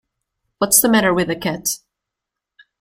What's the matter with the cat?